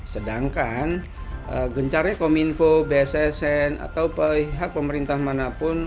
sedangkan gencarnya kominfo bssn atau pihak pemerintah manapun